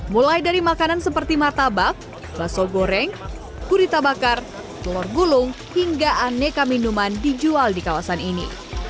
mulai dari makanan seperti martabak baso goreng kurita bakar telur gulung hingga aneka minuman dijual di kawasan ini